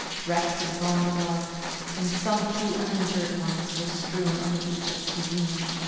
Wrecks of gondolas, and some few uninjured ones, were strewed on the beach at Fusina.